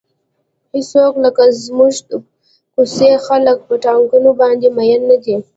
هیڅوک لکه زموږ د کوڅې خلک په ټاکنو باندې مین نه دي.